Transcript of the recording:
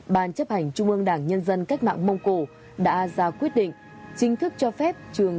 ban chấp hành trung ương đảng nhân dân cách mạng mông cổ đã ra quyết định chính thức cho phép trường